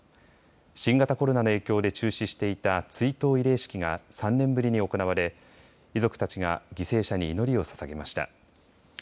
新型コロナの影響で中止していた追悼慰霊式が３年ぶりに行われ遺族たちが犠牲者に祈りをささげました。